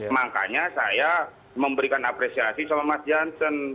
makanya saya memberikan apresiasi sama mas jansen